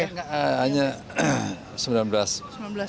nggak hanya sembilan belas bulan